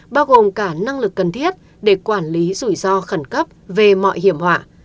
bao gồm cả năng lực cần thiết để quản lý rủi ro khẩn cấp về mọi hiểm họa